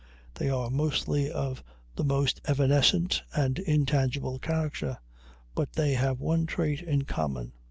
They are mostly of the most evanescent and intangible character, but they have one trait in common.